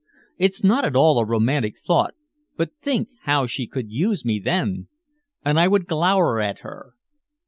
It's not at all a romantic thought, but think how she could use me then!" And I would glower at her.